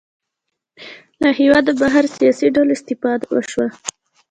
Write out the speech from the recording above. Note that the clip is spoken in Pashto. له هېواده بهر سیاسي ډلو استفاده وشوه